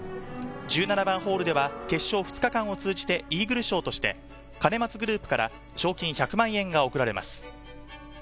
１７番ホールでは決勝２日間を通じてイーグル賞として、兼松グループから賞金１００万円が贈られます。